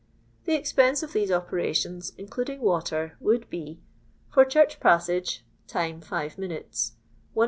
"The expense of these operations, including water, would be, for —" Church passage (time, five minutes), l^d.